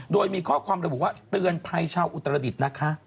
โดยมีข้อความระบุว่าเตือนภัยชาวอุตรดิษฐ์นะคะ